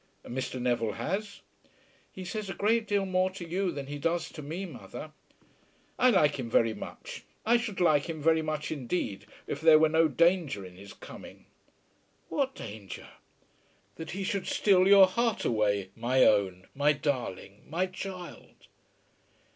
"And Mr. Neville has?" "He says a great deal more to you than he does to me, mother." "I like him very much. I should like him very much indeed if there were no danger in his coming." "What danger?" "That he should steal your heart away, my own, my darling, my child."